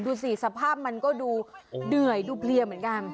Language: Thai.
ดูสิสภาพมันก็ด้วยดูเพลียเหมือนกัน